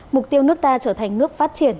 mục tiêu nước ta trở thành nước phát triển